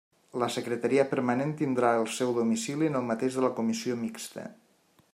La Secretaria permanent tindrà el seu domicili en el mateix de la Comissió mixta.